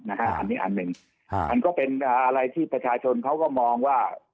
อันนี้อันหนึ่งอันก็เป็นอะไรที่ประชาชนเขาก็มองว่า